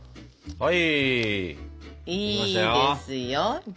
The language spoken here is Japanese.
はい。